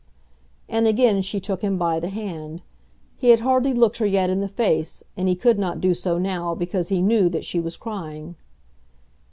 And again she took him by the hand. He had hardly looked her yet in the face, and he could not do so now because he knew that she was crying.